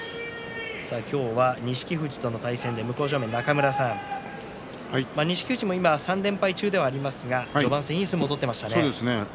今日は錦富士との対戦で向正面の中村さん錦富士も今、３連敗中ではありますが序盤戦にいい相撲を取っていましたね。